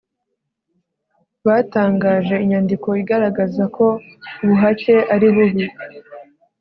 batangaje inyandiko igaragaza ko ubuhake ari bubi